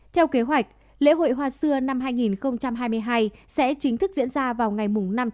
theo kế hoạch lễ hội hoa xưa năm hai nghìn hai mươi hai sẽ chính thức diễn ra vào ngày năm tháng bốn